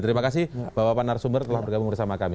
terima kasih bapak panar sumber telah bergabung bersama kami